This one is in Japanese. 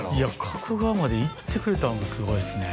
加古川まで行ってくれたんがすごいっすね